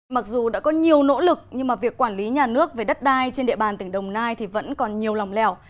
mặc dù đã có nhiều nỗ lực nhưng mà việc quản lý nhà nước về đất đai trên địa bàn tỉnh đồng nai thì vẫn còn nhiều lòng lẻo